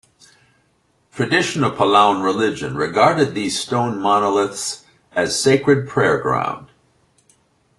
Traditional Palaun religion regarded these stone monoliths as sacred prayer ground.